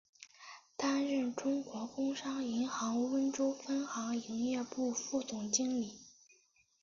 担任中国工商银行温州分行营业部副总经理。